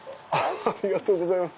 ありがとうございます。